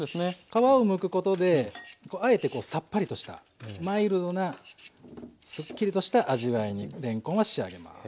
皮をむくことであえてさっぱりとしたマイルドなすっきりとした味わいにれんこんは仕上げます。